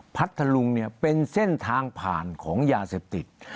พระทะลุงเป็นเส้นทางผ่านของยาเสพติด